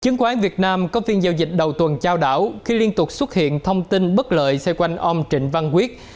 chứng quán việt nam có phiên giao dịch đầu tuần trao đảo khi liên tục xuất hiện thông tin bất lợi xe quanh ôm trịnh văn quyết